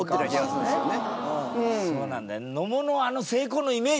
そうなんだよね。